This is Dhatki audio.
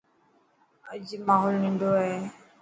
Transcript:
اڄ ماحول نندو هي